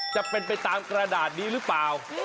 จะเป็นไปตามกระดาษนี้หรือเปล่า